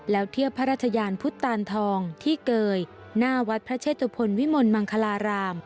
แล้วเทียบพระราชยานพุทธตานทองที่เกยหน้าวัดพระเชตุพลวิมลมังคลาราม